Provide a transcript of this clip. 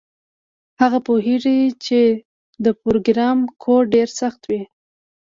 هغه پوهیږي چې د پروګرام کوډ ډیر سخت وي